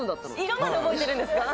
色まで覚えてるんですか？